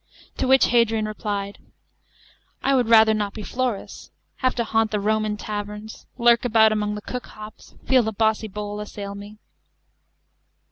553 To which Hadrian replied : "I would rather not be Florus, Have to haunt the Roman taverns. Lurk about among the cook. hops, Feel the bossy bowl assail me."